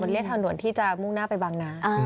เรียกทางด่วนที่จะมุ่งหน้าไปบางนา